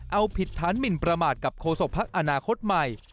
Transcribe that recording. เอาผิดฐานหมินประมาทกับโฆษกภักดิ์อนาคตใหม่